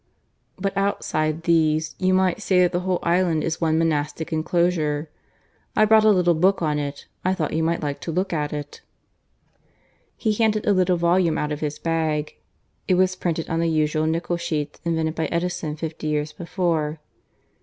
But outside these you might say that the whole island is one monastic enclosure. I've brought a little book on it I thought you might like to look at." He handed a little volume out of his bag. (It was printed on the usual nickel sheets, invented by Edison fifty years before.)